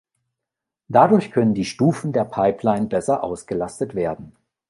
Dadurch können die Stufen der Pipeline besser ausgelastet werden.